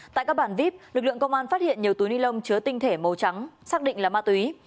tại các bản vip lực lượng công an phát hiện nhiều túi ni lông chứa tinh thể màu trắng xác định là ma túy